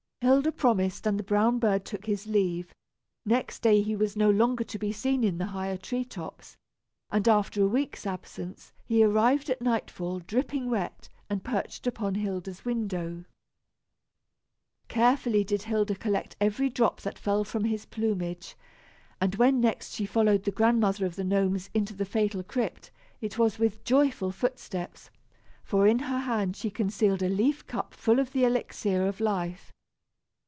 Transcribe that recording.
Hilda promised and the brown bird took his leave. Next day he was no longer to be seen in the higher tree tops, and after a week's absence, he arrived at nightfall dripping wet, and perched upon Hilda's window. Carefully did Hilda collect every drop that fell from his plumage, and when next she followed the Grandmother of the Gnomes into the fatal crypt, it was with joyful footsteps, for in her hand she concealed a leaf cup full of the elixir of life.